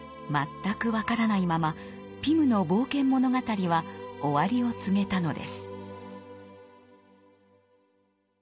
全く分からないままピムの冒険物語は終わりを告げたのです。